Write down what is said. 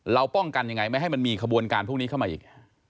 ป้องกันยังไงไม่ให้มันมีขบวนการพวกนี้เข้ามาอีก